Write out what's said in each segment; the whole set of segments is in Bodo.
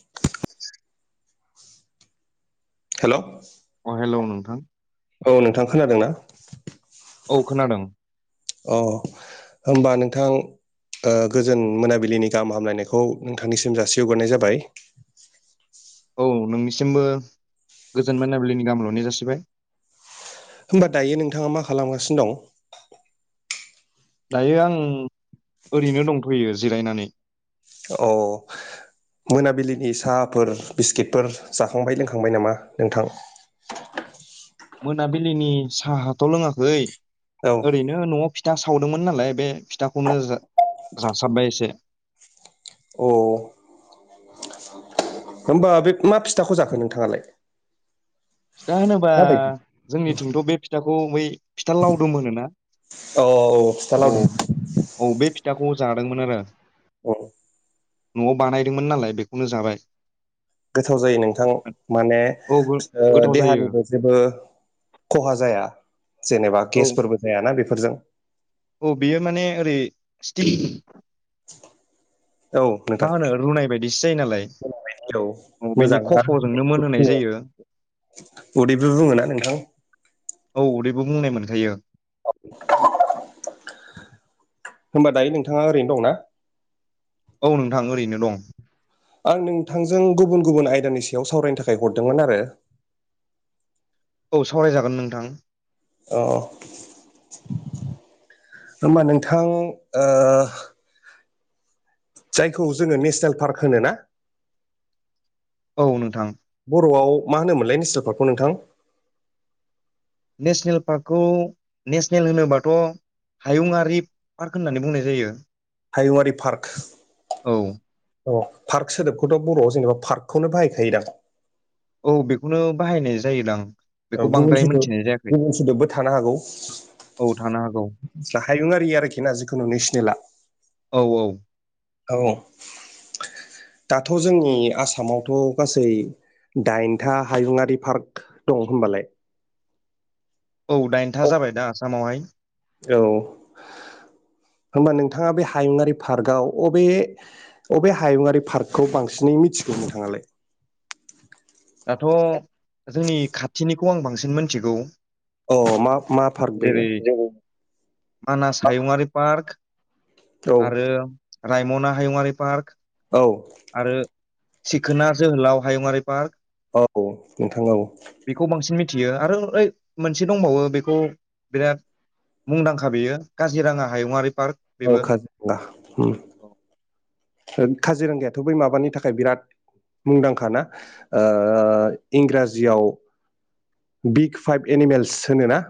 [unintelligible] हेलौ अ हेलौ नोंथां औ नोंथां खोनादों ना? औ खोनादों। अ होनबा नोंथां ओ गोजोन मोनाबिलिनि गाहाम हामलायनायखौ नोंथांनिसिम जासि हग्रोनाय जाबाय औ नोंनिसिमबो गोजोन मोनाबिलिनि गाहाम हामलायनायखौ जासिबाय होमबा दायो नोंथाङा मा खालामगासिनो दं? दायो आं ओरैनो दंथ'यो जिरायनानै औ मोनाबिलिनि साहाफोर बिस्किटफोर जाखांबाय लोंखांबाय नामा नोंथां? मोनाबिलिनि साहाथ' लोङाखै औ ओरै नो न'आव फिथा सावदोंमोन नालाय बे फिथाखौनो जा-जासाबबाय एसे। अ। होमबा बे मा फिथाखौ जाखो नोंथाङालाय? फिथा होनोबा जोंनिथिंथ' बे फिथाखौ बै फिथा लाउदुम होनोना। औ औ पिथा औ लावदुम। औ बे फिथाखौ जादोंमोन आरो। औ। न'आव बानायदोंमोन नालाय बेखौनो जाबाय। गोथाव जायो नोंथां माने औ फि गोथाव जायो देहानिबो जेबो खहा जाया जेनेबा औ गेसफोरबो जायाना बेफोरजों। औ बेयो माने ओरै स्ति औ नोंथां मा होनो रुनाय बायदिसो जायो नालाय औ बेनि मोजां आरो खफ'जोंनो मोनहोनाय जायो। उदैबो बुङोना नोंथां? औ उदैबो बुंनाय मोनखायो। [unintelligible] होनबा दायो नोंथाङा ओरैनो दंना? औ नोंथां ओरैनो दं। आं नोंथांजों गुबुन गुबुन आयदानि सायाव सावरायनो थाखाय हरदोंमोन आरो। औ सावरायजागोन नोंथां। अ होनबा नोंथां ओ जायखौ जोङो नेसनेल पार्क होनो ना औ नोंथां। बर'आव मा होनोमोनलाय नेसनेल पार्कखौ नोंथां? नेसनेल पार्कखौ नेसनेल होनोबाथ' हायुंगिरि पार्क होननानै बुंनाय जायो। हायुङारि पार्क। औ। अ पार्क सोदोबखौथ' बर'आव जेनेबा पार्कखौनो बाहायखायोदा? औ बेखौनो बाहायनाय जायो दां। औ गुबुन सोद गुबुन सोदोबबो थानो हागौ। औ थानो हागौ हायुंआि आरोखि ना जिखुनु नेसनेला। औ औ। औ औ दाथ' जोंनि आसामावथ' गासै दाइनथा हायुङारि पार्क दं होनोमबालाय। औ दाइनथा जाबाय दा आसामावहाय। औ होनबा नोंथाङा बे हायुंङारि पार्कआव अबे अबे हायुङारि पार्कखौ बांसिनै मिथिगौ नोंथाङालाय? दाथ' जोंनि खाथिनिखौ आं बांसिन मोनथिगौ। अ मा मा पार्क जेरै बेयो? [unintelligible] मानास हायुङारि पार्क औ आरो रायमना हायुङारि पार्क औ। आरो सिखोना जोहोलाव हायंङारि पार्क। औ नोंथां औ। बेखौ बांसिन मिथियो आरो ओय मोनसे दंबावो बेखौ बिराद मुंदांखा बेयो काजिरङा हायुङारि पार्क। औ बेबो काजिरगा उम काजिरगायाथ' बै माबानि थाखाय बिराद मुंदांखा ना ओ इंराजियाव बिग फाइभ एनिमेल्स होनो ना।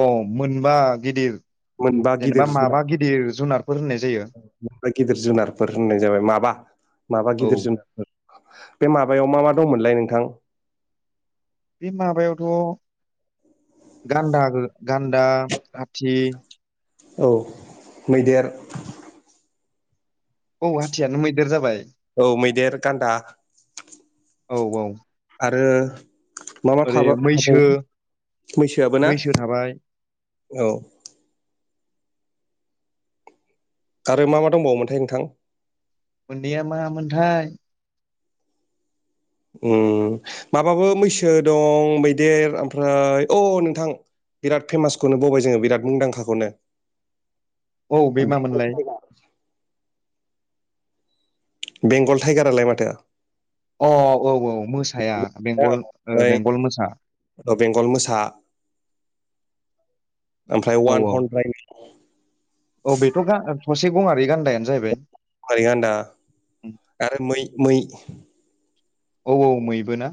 अ मोनबा गिदिर मोनबा जेनेबा माबा गिदिर जुनारफोर होननाय जायो। मा गिदिर जुनारफोर होननाय जाबाय माबा माबा औ गिदिर जुनारफोर। बे माबायाव मा मा दंमोनलाय नोंथां? बे माबायावथ' गान्दा गान्दा हाथि औ मैदेर औ हाथियानो मैदेर जाबाय औ मैदेर गान्दा औ औ आरो मा मा ओरै थाबावो मैसो मैसोआबो ना मैसो थाबाय औ आरो मा मा दंबावोमोनथाय नोंथां? मौ़ननैया मा मोनथाय ओम माबाबो मैसो दं मैदेर ओमफ्राय अ नोंथां बिराद फेमासखौनो बावबाय जोङो बिराद मुंदांखाखौनो औ बे बेंगल मामोनलाय टाइगार बेंगल टाइगारालाय माथो अ औ औ मोसाया औ बेंगल ओमफ्राय बेंगल मोसा बेंगल मोसा ओमफ्राय औ वान औ हड्रेड औ बेथ' गा थसे गङारि गान्दायानो जाहैबाय मारै आन्दा आरो मै मै औ औ मैबोना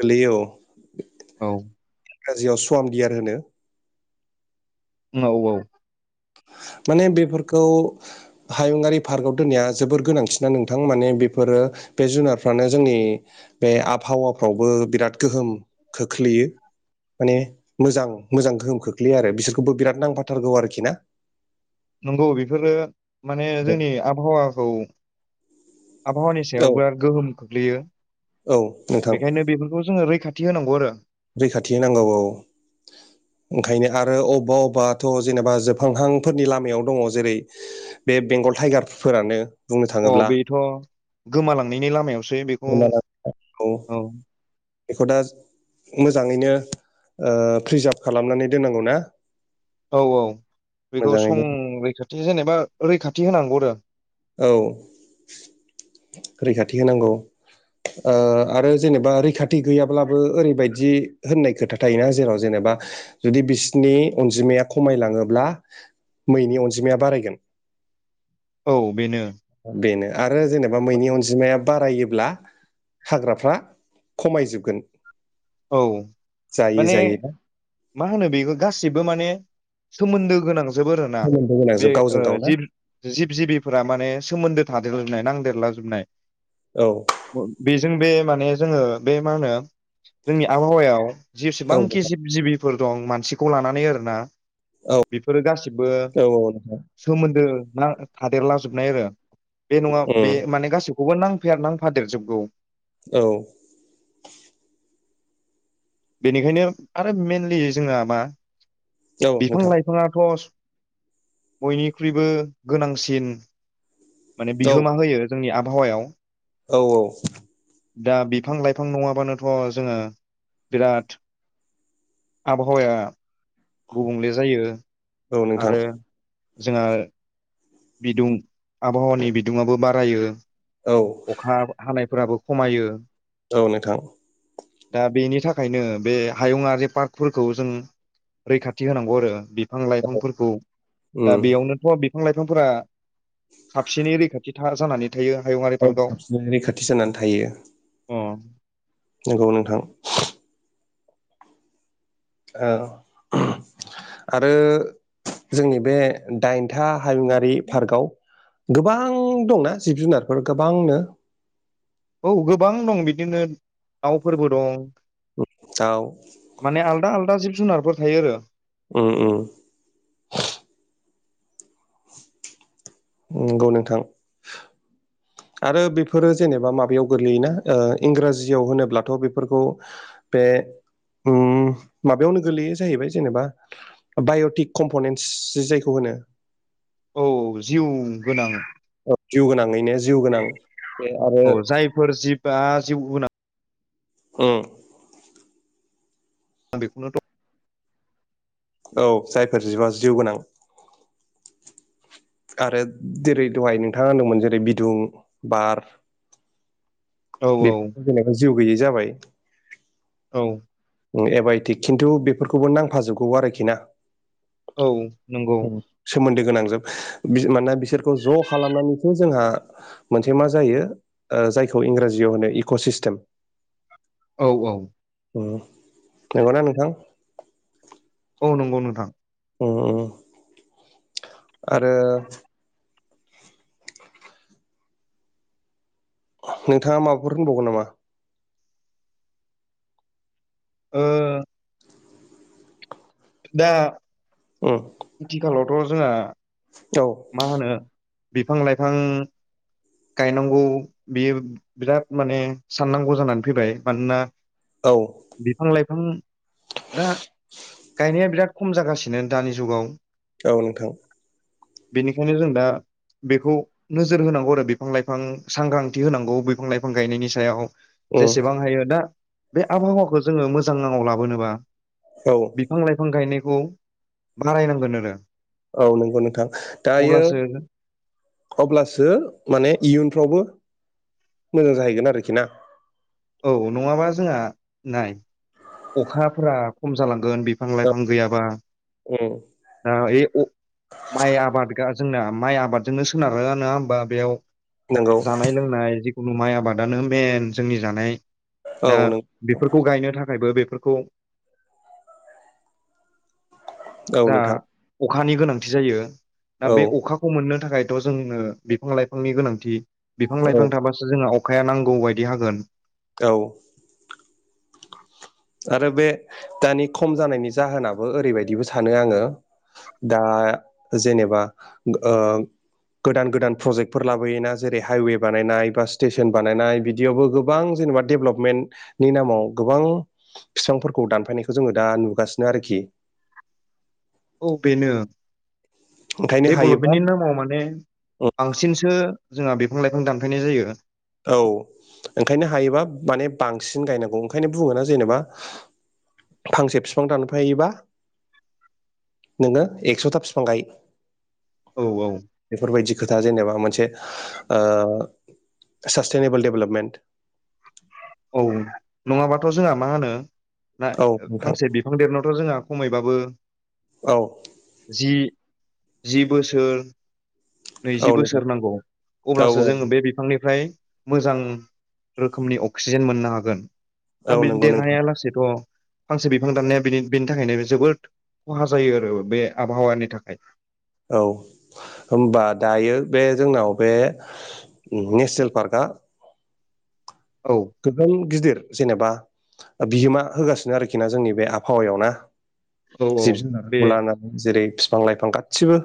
गोलैयो औ औ। इंराजियाव सम दियार होनो [unintelligible] माने बेफोरखौ हायुङारि पार्कआव दोननाया जोबोर गोनांसिनना नोंथां माने बेफोरो बे जुनारफ्रानो जोंनि बे आबहावाफ्रावबो बिराद गोहोम खोख्लैयो। माने मोजां मोजां गोहोम खोख्लैयो आरो बिसोरखौबो बिराद नांफाथारगौ आरोखि ना नंगौ बेफोरो माने जोंनि आबहावाखौ आबहावानि औ सायाव बिराद गोहोम खोख्लैयो औ नोंथां बेखायनो बेफोरखौ जोङो रैखाथि [unintelligible] नंगौ आरो रैखाथि नांगौ औ ओंखायनो आरो अबबा अबबाथ' जेनेबा जोबहांहांफोरनि लामायाव दङ जेरै बे बेंगल टाइगारफोरानो बुंनो अ थाङोब्ला बेथ' गोमालांनायनि लामायावसो बेखौ गोमानांगौ औ बेखौ दा मोजाङैनो ओ प्रिजार्भ खालामनानै दोननांगौ ना? औ औ बेखौ मोजाङैनो संरैखाथि जेनेबा रैखाथि होनांगौ आरो। औ रैखाथि होनांगौ। ओ आरो जेनेबा रैखाथि गैयाब्लाबो ओरैबायदि होननाय खोथा थायोना जेराव जेनेबा जुदि बिसनि अनजिमाया खमायलाङोब्ला मैनि अनजिमाया बारायगोन। औ बेनो बेनो आरो जेनेबा मैनि अनजिमाया बारायोब्ला हाग्राफ्रा खमायजोबगोन। औ जायै माने जायै ना मा होनो बेखौ गासिबो माने सोमोन्दो गोनांजोबो आरोना सोमोन्दो बे गोनांजोब गावजों ओ गाव ना जि जिब जिबिफोरा माने सोमोन्दो थादेरलाजोबनाय नांदेरला जोबनाय औ। बेजों बे माने जोङो बे मा होनो जोंनि आबहावायाव औ जेसेबांखि नोंथां जिब जिबिफोर दं मानसिखौ लानानै आरोना बेफोरो गासिबो औ औ नोंथां सोमोन्दो थादेरलाजोबनाय आरो बे नङा उम बे माने गासैखौबो नांफेर नांफादेरजोबगौ। औ। बेनिखायनो आरो मेनलि जोंहा मा? नोंथां बिफां-लाइफां नाङाथ' बयनिख्रुइबो गोनांसिन माने बिहोमा होयो जोंनि आबहावायाव। औ औ। दा बिफां लाइफां नङाबानोथ' जोङो। बिराद आबहावाया गुबुंले जायो औ नोंथां आरो जोंहा बिदुं आबहावानि बिदुयो बारायो। औ। अखा हानायफोराबो खमायो। औ नोंथां। दा बेनि थाखायनो बे हायुंआरि पार्कफोरखौ जों रैखाथि होनांगौ आरो बिफां लाइफांफोरखौ दा उम बेयावनोथ' बिफां लाइफांफोरा साबसिनै रैखाथिा जानानै थायो हायुं औ साबसिनै रैखाथि जानानै थायो। अ। नंगौ नोंथां। ओ आरो जोंनि बे दाइनथा हायुङारि पार्कआव गोबां दंना जिब जुनारफोर गोबांनो? औ गोबां दं बिदिनो दाउफोरबो दं। उम दाउ माने आलदा आलदा जिब जुनारफोर थायो आरो। उम उम। नंगौ नोंथां। आरो बेफोरो जेनेबा माबायाव गोलैयोना ओ इंराजियाव होनोब्लाथ' बेफोरखौ बे उम माबायावनो गोलैयो जाहैबाय जेनेबा बाय'टिक कम्प'नेन्टस जायखौ होनो औ जिउ गोनां। औ जिउ गोनाङैनो जिउ गोनां बे आरो औ जायफोर जिबआ जिउ उनाव उम आं बेखौनों थ' औ जायफोर जिबा जिउ गोनां। आरो जेरै दहाय नोंथाङा होनदोंमोन जेरै बिदुं बार औ बेफोर जेनेबा जिउ गैयै जाबाय। औ। ओं एबाय'टिक खिन्थु बेफोरखौबो नांफाजोबगौ आरोखि ना? औ नंगौ। सोमोन्दो गोनां जोब मानोना बिसोरखौ ज' खालामनानैसो जोंहा मोनसे मा जायो ओ जायखौ इंराजियाव होनो इक' सिस्टेम। औ औ। उम नंगौना नोंथां? औ नंगौ नोंथां। उम उम। आरो नोंथाङा माबाफोर होनबावगोन नामा? ओ दा उम। आथिखालावथ' जोंहा औ। मा होनो बिफां लाइफां गायनांगौ बियो बिराद माने साननांगौ जानानै फैबाय मानोना औ। बिफां लाइफां दा गायनाया बिराद खम जागासिनो दानि जुगाव। औ नोंथां। बेनिखायनो जों दा बेखौ नोजोर होनांगौ आरो बिफां लाइफां सांग्रांथि होनांगौ बिफां लाइफां गायनायनि सायाव। उम जेसेबां हायो दा बे आबहावाखौ जोङो मोजांङाव लाबोनोबा औ। बिफां लाइफां गायनायखौ बारायनांगोन आरो। औ नंगौ नोंथां दायो अब्लासो अब्लासो माने इयुनफ्रावबो मोजां जाहैगोन आरोखि ना? औ नङाबा जोंहा नाय अखाफोरा खम जालांगोन बिफां औ लाइफां गैयाबा उम दा [unintelligible] माइ आबाद जोंना माइ आबादजोंनो सोनारो नङा होमबा बेयाव नंगौ जानाय लोंनाय जिखुनु माइ आबादानो मेन जोंनि जानाय औ दा नों बेफोरखौ गायनो थाखाय थाखायबो बेफोरखौ औ जा नोंथां अखानि गोनांथि जायो दा औ बे अखा बेखौ मोननो थाखायथ' दोंनो बिफां लाइफांनि गोनांथि बिफां औ लाइफां थाबासो अखाया नांगौ बायदि हागोन औ आरो बे दानि खम जानायनि जाहोनाबो ओरैबायदिबो सानो आङो दा जेनेबा गोदान गोदान प्रजेक्टफोर लाबोयोना जेरै हाइवे बानायनाय बा स्टेसन बानायनाय बिदियावबो गोबां जेनेबा डेभेलपमेन्टनि नामाव गोबां बिफांफोरखौ दानफायनायखौ जोङो दा नुगासिनो आरोखि औ बेनो ओंखायनो हायोबा डेभलपमेन्टनि नामाव माने बांसिनसो जोंहा बिफां लाइफां दानफायनाय जायो औ ओंखायनो हायोबा माने बांसिन गायनांगौ ओंखायनो बुङोना जेनेबा फांसे बिफां दानफायोबा नोङो एकस'था बिफां गाय औ औ बेफोरबायदि खोथा जेनेबा मोनसे सासटेननेबोल देभेलपमेन्ट औ नङाबाथ' जोंहा मा होनो ना औ नोंथां फांसे बि थांदेरनायावथ' जोंहा खमायबाबो औ जि जि बोसोर औ नैजि नोंथां बोसोर नांगौ औ अब्लासो जोङो बे बिफांनिफ्राय मोजां रोखोमनि अक्सिजेन मोननो हागोन औ दा औ बिदिनो नंगौ नोंथां देरनायाया लासेैथ' फांसे बिफां दाननाया बे बेनि थाखायनो जोबोद खहा जायो आरो बे आबहावानि थाखाय औ होनोमबा दायो बे जोंनाव बे नेसनेल पार्कआ औ गोबां गिदिर जेनेबा बिहोमा होगासिनो आरोखि ना जोंनि बे आबहावायाव ना औ औ जिब बे जुनारखौ लानानै जेरै फिफां लाइफां गासिबो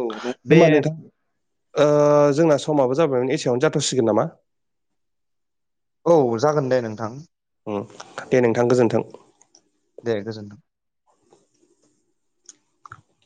औ बे होमबा नोंथां ओ जोंना समाबो जाबाय मोन एसेयावनो जाथ'सिगोन नामा? औ जागोन दे नोंथां उम दे नोंथां गोजोन्थों दे गोजोन्थों